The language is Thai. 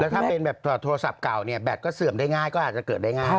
ถ้าเป็นแบบถอดโทรศัพท์เก่าเนี่ยแบตก็เสื่อมได้ง่ายก็อาจจะเกิดได้ง่าย